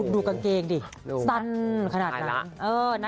ดูกางเกงดิสั้นขนาดนั้น